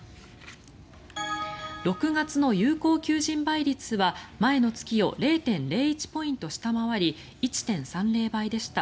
６月の有効求人倍率は前の月を０．０１ポイント下回り１．３０倍でした。